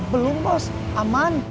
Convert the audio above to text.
belum bos aman